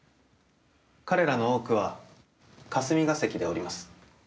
彼らの多くは霞ケ関で降ります。